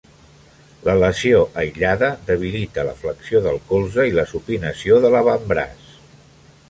La lesió aïllada debilita la flexió del colze i la supinació de l'avantbraç.